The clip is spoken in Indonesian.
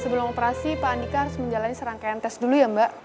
sebelum operasi pak andika harus menjalani serangkaian tes dulu ya mbak